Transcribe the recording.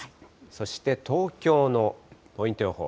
そして東京のポイント予報。